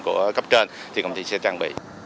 của cấp trên thì công ty sẽ trang bị